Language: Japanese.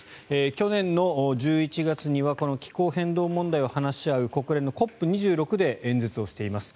去年の１１月には気候変動問題を話し合う国連のＣＯＰ２６で演説をしています。